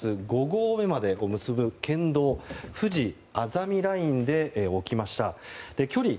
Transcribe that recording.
５合目までを結ぶ県道ふじあざみラインで起きました。